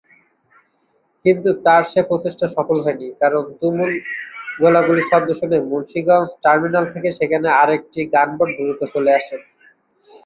কিন্তু তার সে প্রচেষ্টা সফল হয়নি কারণ তুমুল গোলাগুলির শব্দ শুনে মুন্সিগঞ্জ টার্মিনাল থেকে সেখানে আরেকটি গানবোট দ্রুত চলে আসে।